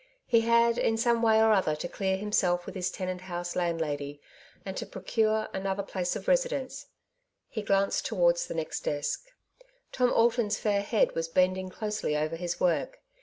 He had, in some way or other, to clear himself with his Clement House landlady, and to procure another place of residence. He glanced towards the next desk. Tom Alton's Farewell to Clement House. 177 fair head was bending closely over his work.